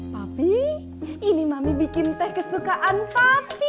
tapi ini mami bikin teh kesukaan papi